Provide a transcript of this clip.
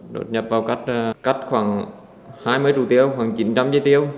đột nhập vào cắt khoảng hai mươi trụ tiêu khoảng chín trăm linh dây tiêu